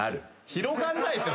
広がんないっすよ